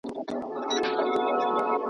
د دولتونو ترمنځ دوه اړخیزه همکاري اړینه ده.